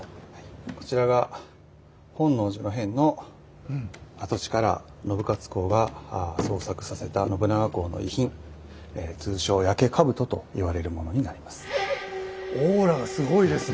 こちらが本能寺の変の跡地から信雄公が捜索させた信長公の遺品通称「焼け兜」と言われるものになります。